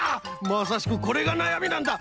まさしくこれがなやみなんだ！